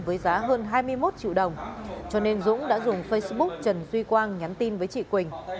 với giá hơn hai mươi một triệu đồng cho nên dũng đã dùng facebook trần duy quang nhắn tin với chị quỳnh